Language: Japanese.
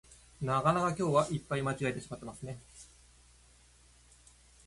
なかなか今日はいっぱい間違えてしまっていますね